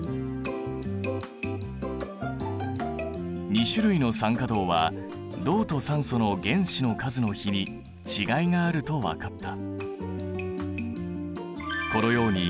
２種類の酸化銅は銅と酸素の原子の数の比に違いがあると分かった。